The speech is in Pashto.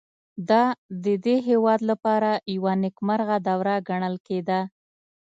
دا د دې هېواد لپاره یوه نېکمرغه دوره ګڼل کېده